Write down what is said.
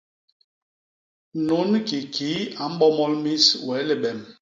Nunki kii a mbomol mis wee libem.